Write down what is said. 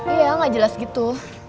iya gak jelas gitu